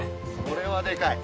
これはでかい。